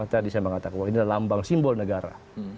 tadi saya mengatakan bahwa ini adalah lambang simbol negara